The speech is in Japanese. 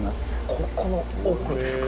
・ここの奥ですか？